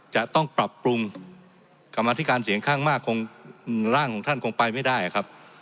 จะต้องปรับปรุงกรรมธิการเสียงข้างมากคงร่างของท่านคงไปไม่ได้ครับ